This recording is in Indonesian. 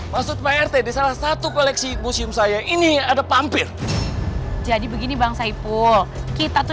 maksud pak rt di salah satu koleksi museum saya ini ada pampir jadi begini bang saipul kita tuh